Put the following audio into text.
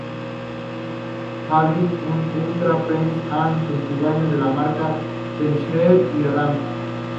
Habita en Uttar Pradesh, Hunan, Península de Malaca, Tenasserim y Andaman.